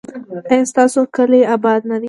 ایا ستاسو کلی اباد نه دی؟